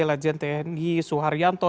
lejen tni suharyanto